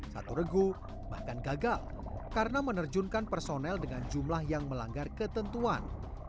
satu regu bahkan gagal karena menerjunkan personel dengan jumlah yang melanggar ketentuan